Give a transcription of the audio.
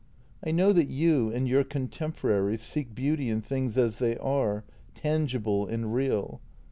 I know that you and your contemporaries seek beauty in things as they are, tangible and real.